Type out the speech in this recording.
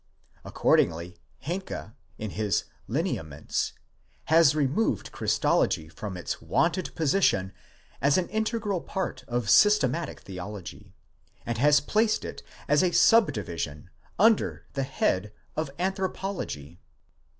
Accordingly Henke, in his Zineaments, has re moved Christology from its wonted position as an integral part of systematic theology, and has placed it as a subdivision under the head of anthropology.